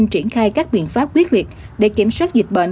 triển khai các biện pháp quyết liệt để kiểm soát dịch bệnh